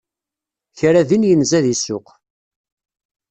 Kra din yenza di ssuq.